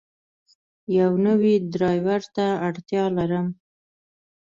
یو نوی ډرایور ته اړتیا لرم.